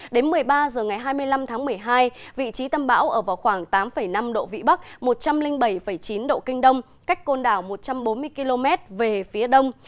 đến một mươi ba h ngày hai mươi năm tháng một mươi hai vị trí tâm bão ở vào khoảng tám năm độ vĩ bắc một trăm linh bảy chín độ kinh đông cách côn đảo một trăm bốn mươi km về phía đông